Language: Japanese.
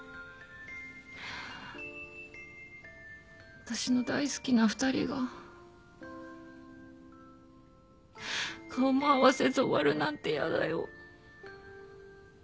私の大好きな２人が顔も合わせず終わるなんてやだよ。